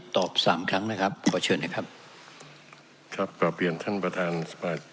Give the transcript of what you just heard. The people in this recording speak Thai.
สามครั้งนะครับขอเชิญนะครับครับกลับเรียนท่านประธานอ่า